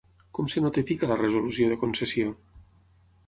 Com es notifica la resolució de concessió?